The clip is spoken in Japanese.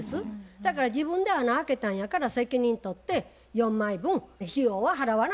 だから自分で穴開けたんやから責任取って４枚分費用は払わなあかんと思います。